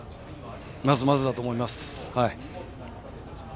まずまずだと思います。